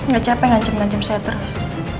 gak capek ngajem ngajem saya terus